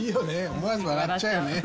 思わず笑っちゃうよね。